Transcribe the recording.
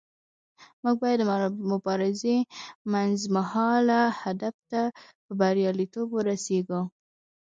موږ باید د مبارزې منځمهاله هدف ته په بریالیتوب ورسیږو.